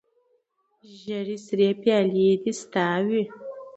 ژړې سرې پیالې دې ستا وي